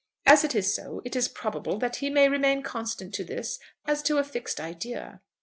As it is so, it is probable that he may remain constant to this as to a fixed idea.